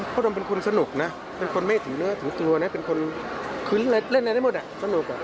ดมเป็นคนสนุกนะเป็นคนไม่ถึงเนื้อถึงตัวนะเป็นคนคือเล่นอะไรได้หมดอ่ะสนุก